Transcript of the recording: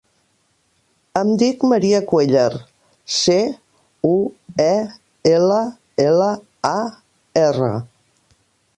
Em dic Maria Cuellar: ce, u, e, ela, ela, a, erra.